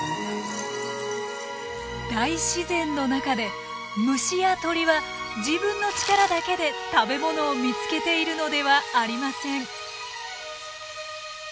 大自然の中で虫や鳥は自分の力だけで食べ物を見つけているのではありません。